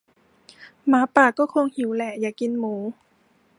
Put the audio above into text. หมาป่าก็คงหิวแหละ อยากกินหมู